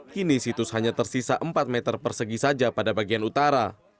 kini situs hanya tersisa empat meter persegi saja pada bagian utara